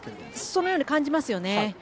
そのように感じますね。